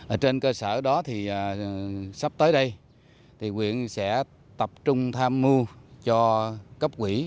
ở trên cơ sở đó thì sắp tới đây thì quyện sẽ tập trung tham mưu cho cấp quỹ